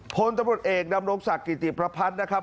พลตำรวจเอกดำรงศักดิ์กิติประพัฒน์นะครับ